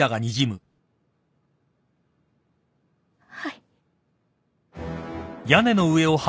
はい。